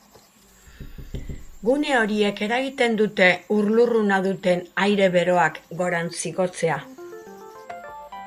Gune horiek eragiten dute ur-lurruna duten aire beroak gorantz igotzea.